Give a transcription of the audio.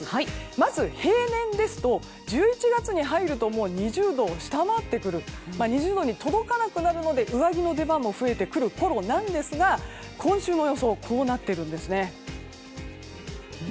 まず平年ですと１１月に入るともう２０度を下回ってくる２０度に届かなくなってくるので上着の出番も増えてくるころなんですが今週の予想はこうなってるんですね。